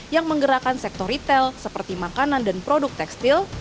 yang menggerakkan sektor retail seperti makanan dan produk tekstil